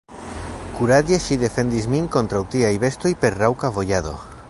Kuraĝe ŝi defendis min kontraŭ tiaj bestoj per raŭka bojado.